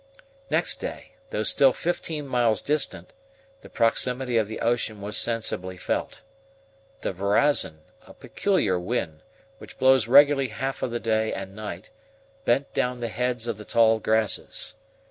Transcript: Next day, though still fifteen miles distant, the proximity of the ocean was sensibly felt. The VIRAZON, a peculiar wind, which blows regularly half of the day and night, bent down the heads of the tall grasses.